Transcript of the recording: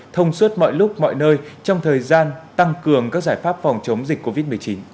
thông suốt mọi lúc mọi nơi trong thời gian tăng cường các giải pháp phòng chống dịch covid một mươi chín